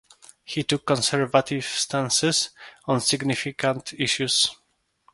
He took conservative stances on significant issues.